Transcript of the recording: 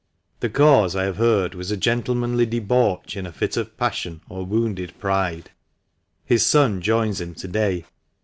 The cause, I have heard, was a gentlemanly debauch in a fit of passion or wounded pride. His son joins him to day.